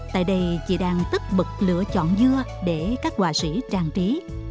tại đây chị đang tức bực lửa chọn dưa để các quà sĩ trang trí